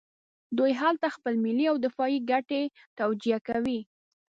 دوی هلته خپلې ملي او دفاعي ګټې توجیه کوي.